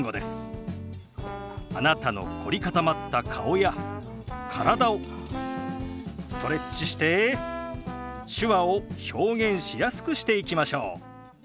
あなたの凝り固まった顔や体をストレッチして手話を表現しやすくしていきましょう。